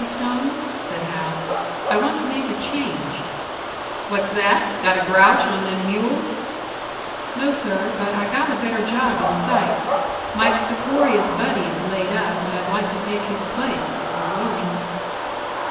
Stone," said Hal, "I want to make a change." "What's that? Got a grouch on them mules?" "No, sir, but I got a better job in sight. Mike Sikoria's buddy is laid up, and I'd like to take his place, if you're willing."